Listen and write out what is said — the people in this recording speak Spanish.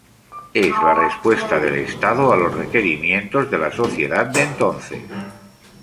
Es la respuesta del Estado a los requerimientos de la Sociedad de Entonces.